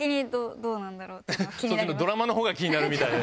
ドラマの方が気になるみたいで。